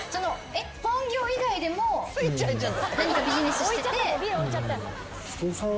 本業以外でも何かビジネスしてて。